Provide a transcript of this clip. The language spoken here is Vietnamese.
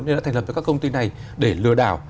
nên đã thành lập ra các công ty này để lừa đảo